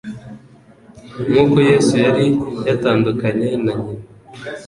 Nk'uko Yesu yari yatandukanye na nyina,